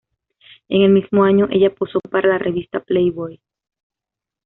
En el mismo año ella posó para la revista Playboy.